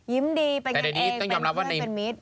ยิ้มดีเป็นกันเองเป็นเพื่อนเป็นมิตร